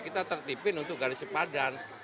kita tertipin untuk garis sepadan